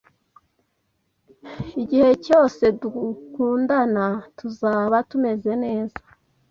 Igihe cyose dukundana, tuzaba tumeze neza